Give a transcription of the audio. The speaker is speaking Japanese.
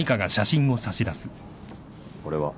これは？